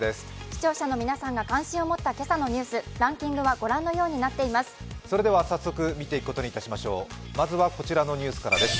視聴者の皆さんが関心を持った今朝のニュース、ランキングはご覧のようになっています。